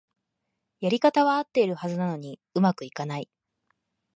やり方はあってるはずなのに上手くいかない